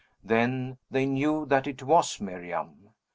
Then they knew that it was Miriam.